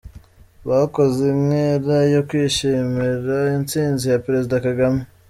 Bakoze inkera yo kwishimira intsinzi ya Perezida Kagame .